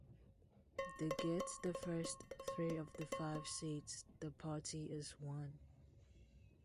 They get the first three of the five seats the party has won.